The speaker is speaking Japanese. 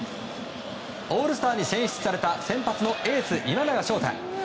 オールスターに選出された先発のエース、今永昇太。